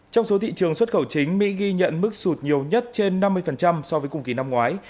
trong số thị trường xuất khẩu chính mỹ ghi nhận mức sụt nhiều nhất trên năm mươi so với cùng kỳ năm ngoái